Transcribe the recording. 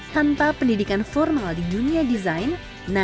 tanpa pendidikan formal di dunia design nadia dan yunis akhirnya belajar mengenali